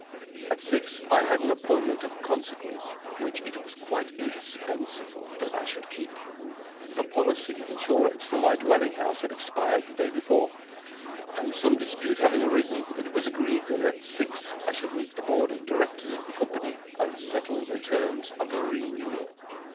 At six I had an appointment of consequence, which it was quite indispensable that I should keep. The policy of insurance for my dwelling house had expired the day before; and, some dispute having arisen, it was agreed that, at six, I should meet the board of directors of the company and settle the terms of a renewal.